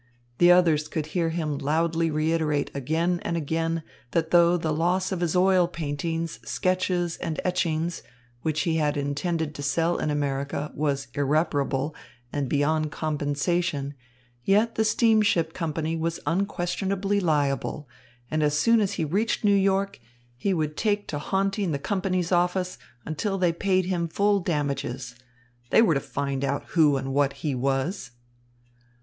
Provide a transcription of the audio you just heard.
The others could hear him loudly reiterate again and again that though the loss of his oil paintings, sketches, and etchings, which he had intended to sell in America, was irreparable and beyond compensation, yet the steamship company was unquestionably liable, and as soon as he reached New York, he would take to haunting the company's office, until they paid him full damages. They were to find out who and what he was.